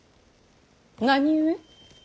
何故？